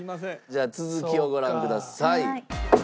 じゃあ続きをご覧ください。